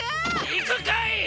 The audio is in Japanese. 行くんかい！